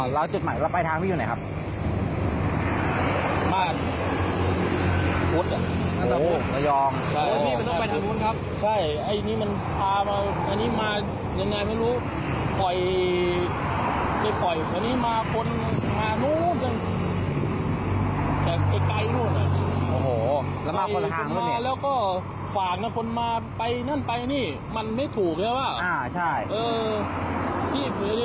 แล้วก็ฝากคนมาไปนั่นไปนี่มันไม่ถูกเนี่ยว่าอ่าใช่เออ